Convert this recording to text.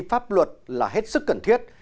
pháp luật là hết sức cần thiết